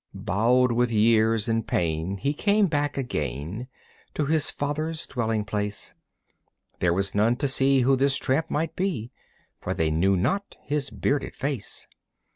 Bowed with years and pain he came back again To his father's dwelling place. There was none to see who this tramp might be, For they knew not his bearded face.